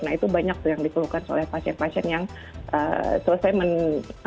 nah itu banyak tuh yang diperlukan oleh pasien pasien yang selesai menikmati